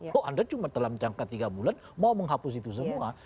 kok anda cuma dalam jangka tiga bulan mau menghapus itu semua